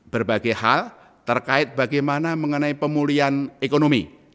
berbagai hal terkait bagaimana mengenai pemulihan ekonomi